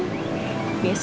kok kayaknya deh